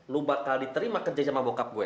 lu bakal diterima kerja sama bokap gue